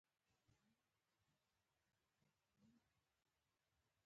سپرلی به بیا په وطن راشي.